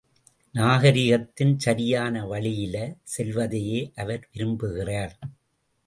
நாகரீகத்தின் சரியான வழியில செல்வதையே அவர் விரும்புகிறார்!